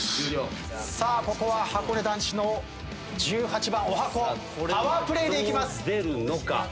さあここははこね男子の十八番おはこパワープレーでいきます。